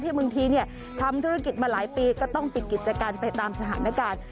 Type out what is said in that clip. บางทีทำธุรกิจมาหลายปีก็ต้องปิดกิจการไปตามสถานการณ์